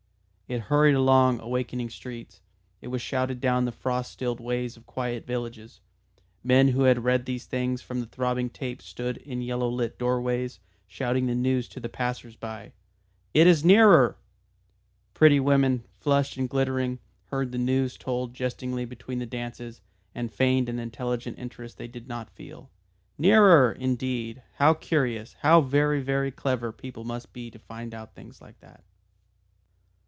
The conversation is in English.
It hurried along awakening streets, it was shouted down the frost stilled ways of quiet villages, men who had read these things from the throbbing tape stood in yellow lit doorways shouting the news to the passers by. "It is nearer." Pretty women, flushed and glittering, heard the news told jestingly between the dances, and feigned an intelligent interest they did not feel. "Nearer! Indeed. How curious! How very, very clever people must be to find out things like that!"